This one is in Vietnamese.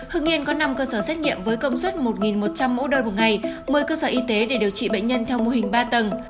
hưng yên có năm cơ sở xét nghiệm với công suất một một trăm linh mẫu đơn một ngày một mươi cơ sở y tế để điều trị bệnh nhân theo mô hình ba tầng